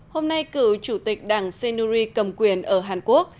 hôm nay cựu chủ tịch đảng sinuri cầm quyền ở hàn quốc